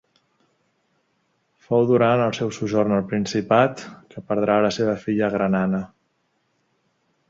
Fou durant el seu sojorn al principat, que perdrà la seva filla gran Anna.